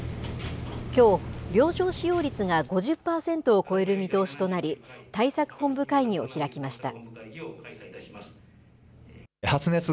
きょう、病床使用率が５０％を超える見通しとなり、対策本部会議を開きました。